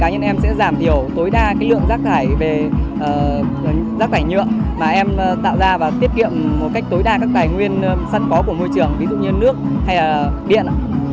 cá nhân em sẽ giảm thiểu tối đa lượng rác tải nhựa mà em tạo ra và tiết kiệm một cách tối đa các tài nguyên sân có của môi trường ví dụ như nước hay điện